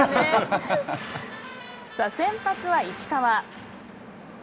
先発は石川。